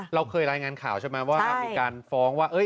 เราเคยรายงานข่าวใช่ไหมว่ามีการฟ้องว่า